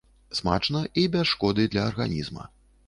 Смачна і без шкоды для арганізма.